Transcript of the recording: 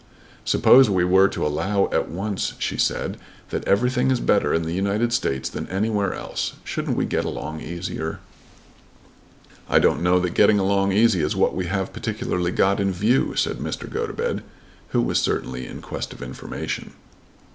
"Suppose we were to allow at once," she said, "that everything is better in the United States than anywhere else, shouldn't we get along easier?" "I don't know that getting along easy is what we have particularly got in view," said Mr. Gotobed, who was certainly in quest of information.